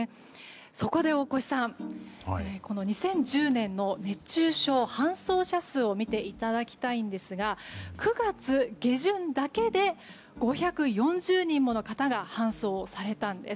そこで大越さんこの２０１０年の熱中症搬送者数を見ていただきたいんですが９月下旬だけで５４０人もの方が搬送されたんです。